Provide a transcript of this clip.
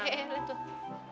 eh eh eh lihat tuh